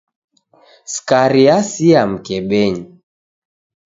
Skari yasia mkebenyi.